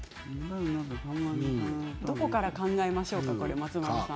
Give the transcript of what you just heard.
どこから考えましょうか松丸さん。